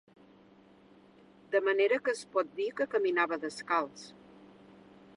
De manera que es pot dir que caminava descalç